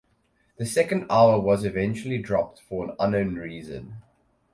The second hour was eventually dropped for an unknown reason.